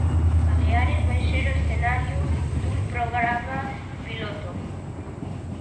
Baleares vai ser o escenario dun programa piloto.